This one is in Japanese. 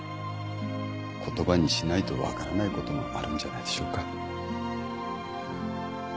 言葉にしないと分からないこともあるんじゃないでしょうか。